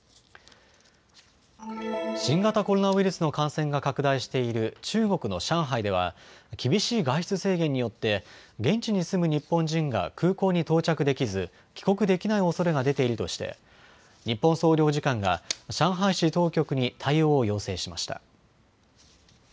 新型コロナウイルスの感染が拡大している中国の上海では厳しい外出制限によって現地に住む日本人が空港に到着できず帰国できないおそれが出ているとして日本総領事館が上海市当局に対応を要請しました。